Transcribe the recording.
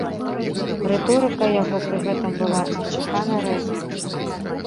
Рыторыка яго пры гэтым была нечакана рэзкай.